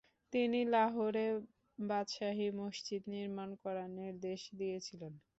তিনি লাহোরে বাদশাহী মসজিদ নির্মাণ করার নির্দেশ দিয়েছিলেন।